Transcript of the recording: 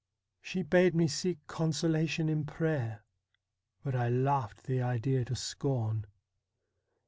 She bade me seek consolation in prayer, but I laughed the idea to scorn.